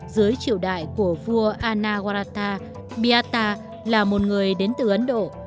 dưới triệu đại của vua anagwarta biatta là một người đến từ ấn độ